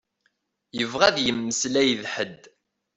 Yebɣa ad yemmeslay d ḥed.